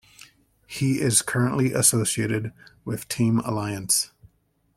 He is currently associated with "Team Alliance".